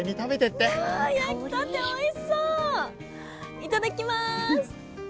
いただきます！